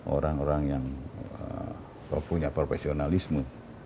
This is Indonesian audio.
orang orang yang punya profesionalisme